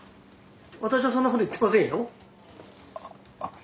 私はそんなこと言ってませんよ。